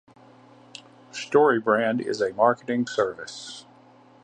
StoryBrand is a marketing service.